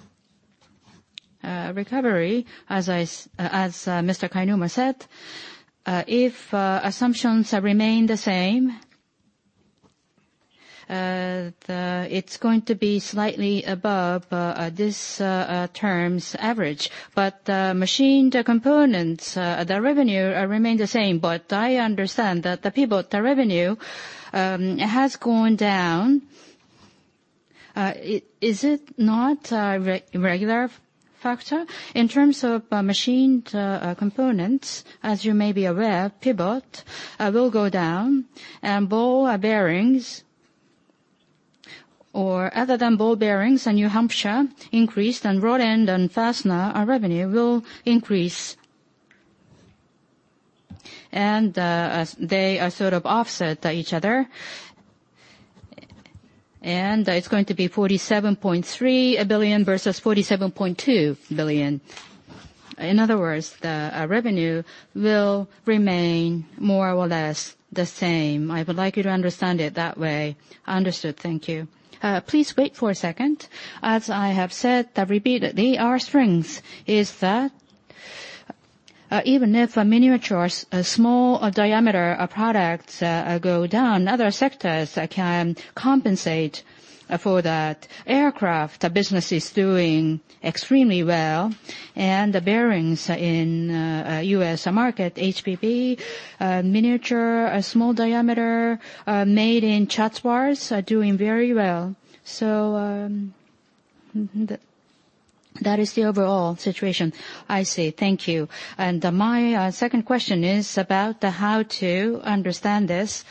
recovery, as Mr. Kainuma said, if assumptions remain the same, it's going to be slightly above this term's average. The machined components, the revenue remain the same. I understand that the pivot, the revenue, has gone down. Is it not a regular factor? In terms of machined components, as you may be aware, pivot will go down ball bearings, or other than ball bearings and New Hampshire, increased rod end and fastener revenue will increase. They sort of offset each other, it's going to be 47.3 billion versus 47.2 billion. In other words, the revenue will remain more or less the same. I would like you to understand it that way. Understood. Thank you. Please wait for a second. As I have said repeatedly, our strength is that even if miniature small diameter products go down, other sectors can compensate for that. Aircraft business is doing extremely well. The bearings in U.S. market, NHBB, miniature, small diameter, made in Chatsworth, are doing very well. That is the overall situation. I see. Thank you. My second question is about how to understand this.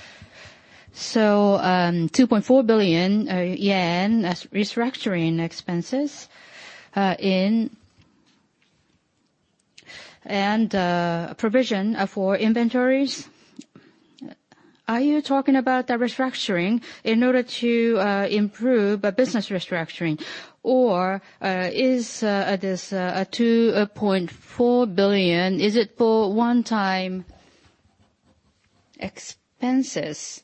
2.4 billion yen restructuring expenses and provision for inventories. Are you talking about the restructuring in order to improve business restructuring? Or this 2.4 billion, is it for one-time expenses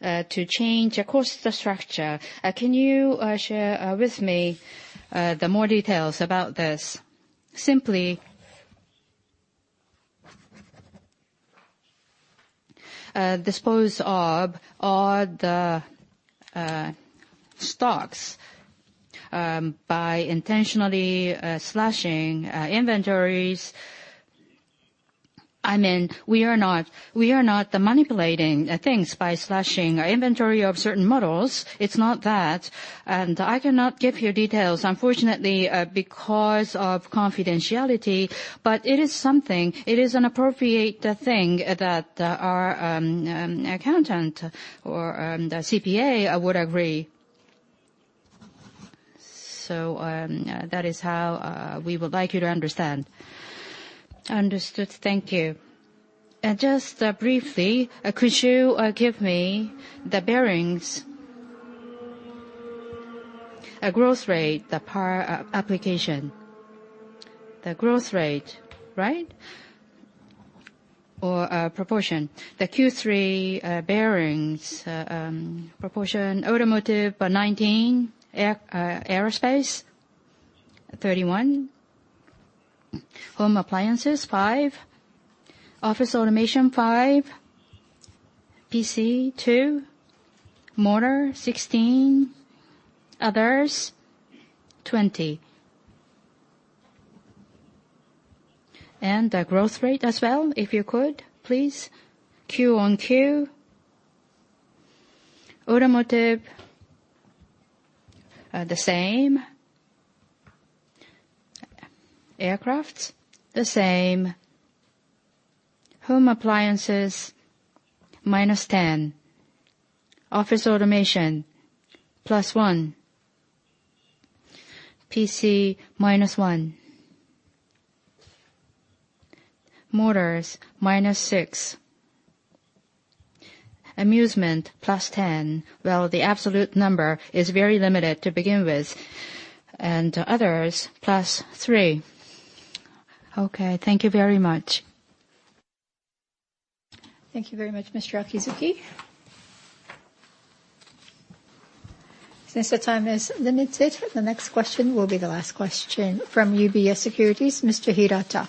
to change cost structure? Can you share with me the more details about this? Simply dispose of all the stocks by intentionally slashing inventories. We are not manipulating things by slashing our inventory of certain models. It's not that, I cannot give you details, unfortunately, because of confidentiality, but it is an appropriate thing that our accountant or the CPA would agree. That is how we would like you to understand. Understood. Thank you. Just briefly, could you give me the bearings growth rate per application? The growth rate, right? Or proportion. The Q3 bearings proportion, automotive 19%, aerospace 31%, home appliances 5%, office automation 5%, PC 2%, motor 16%, others 20%. The growth rate as well, if you could, please. Q-on-Q, automotive, the same. Aircraft, the same. Home appliances, -10%. Office automation, +1%. PC, -1%. Motors, -6%. Amusement, +10%. Well, the absolute number is very limited to begin with. Others, +3%. Okay. Thank you very much. Thank you very much, Mr. Akizuki. Since the time is limited, the next question will be the last question from UBS Securities, Mr. Hirata.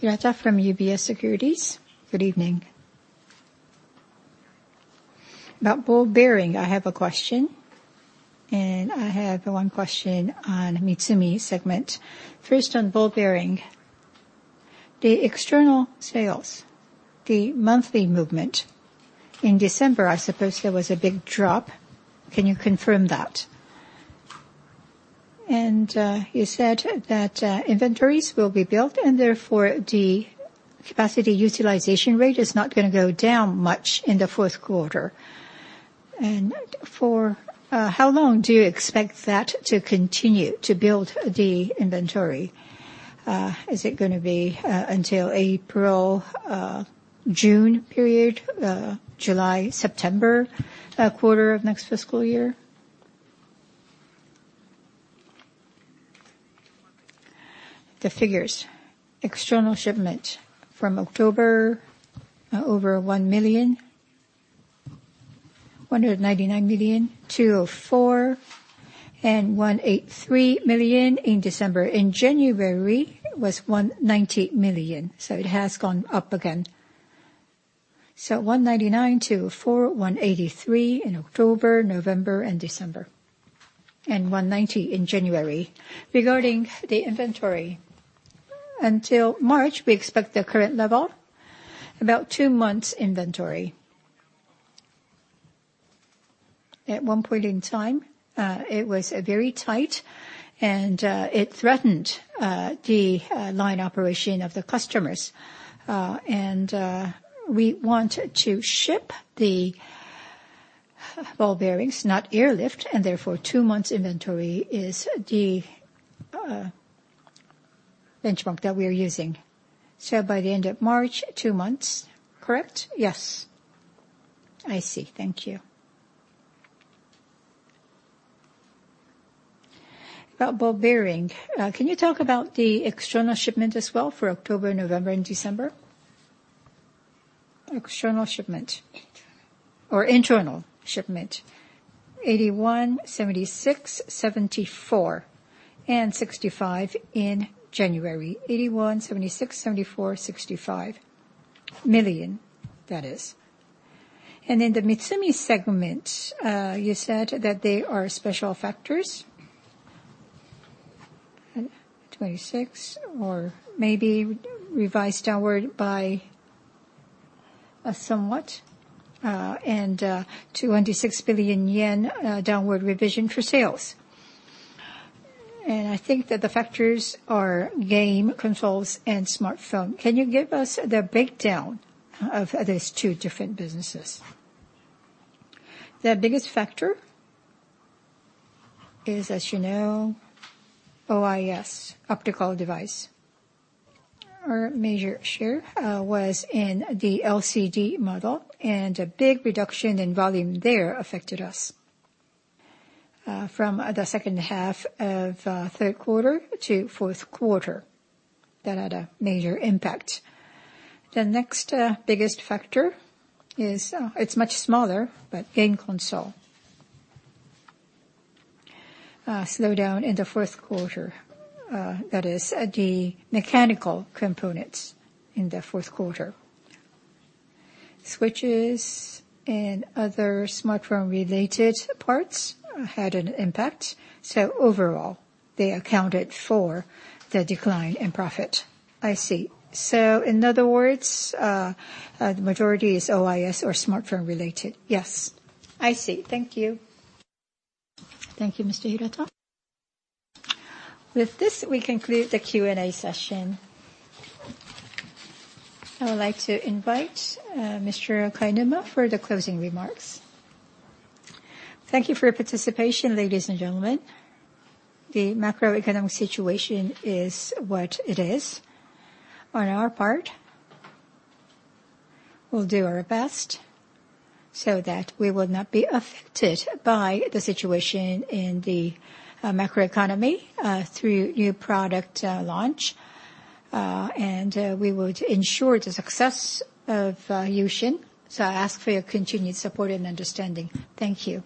Hirata from UBS Securities, good evening. About ball bearing, I have a question, I have one question on MITSUMI segment. First, on ball bearing, the external sales, the monthly movement. In December, I suppose there was a big drop. Can you confirm that? You said that inventories will be built and therefore the capacity utilization rate is not going to go down much in the fourth quarter. For how long do you expect that to continue to build the inventory? Is it going to be until April, June period? July, September quarter of next fiscal year? The figures. External shipment from October, over 1 million, 199 million, 204 million, 183 million in December. In January, it was 190 million. It has gone up again. 199 million, 204 million, 183 million in October, November, and December, 190 million in January. Regarding the inventory, until March, we expect the current level, about two months inventory. At one point in time, it was very tight, it threatened the line operation of the customers. We want to ship the ball bearings, not airlift, therefore, two months inventory is the benchmark that we are using. By the end of March, two months, correct? Yes. I see. Thank you. About ball bearing, can you talk about the external shipment as well for October, November, and December? External shipment or internal shipment? 81 million, 76 million, 74 million, 65 million in January. 81 million, 76 million, 74 million, 65 million, that is. In the MITSUMI segment, you said that there are special factors. 26 billion or maybe revised downward by somewhat, 26 billion yen downward revision for sales. I think that the factors are game consoles and smartphone. Can you give us the breakdown of these two different businesses? The biggest factor is, as you know, OIS, optical device. Our major share was in the LCD model, and a big reduction in volume there affected us. From the second half of third quarter to fourth quarter. That had a major impact. The next biggest factor is, it's much smaller, but game console. A slowdown in the fourth quarter. That is the mechanical components in the fourth quarter. Switches and other smartphone-related parts had an impact. Overall, they accounted for the decline in profit. I see. In other words, the majority is OIS or smartphone related. Yes. I see. Thank you. Thank you, Mr. Hirata. With this, we conclude the Q&A session. I would like to invite Mr. Kainuma for the closing remarks. Thank you for your participation, ladies and gentlemen. The macroeconomic situation is what it is. On our part, we'll do our best so that we will not be affected by the situation in the macroeconomy through new product launch, and we would ensure the success of U-Shin. I ask for your continued support and understanding. Thank you.